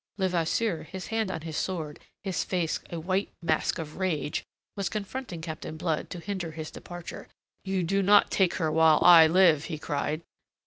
Levasseur, his hand on his sword, his face a white mask of rage, was confronting Captain Blood to hinder his departure. "You do not take her while I live!" he cried.